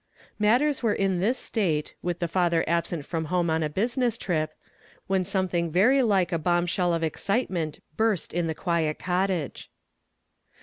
^Matters were in this state, with the father absent from home on a business trip, when something very like a bombshell of excitement buret in the quiet cottage.